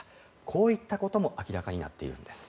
こういったことも明らかになっているんです。